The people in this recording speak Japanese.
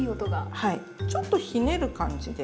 はいちょっとひねる感じで。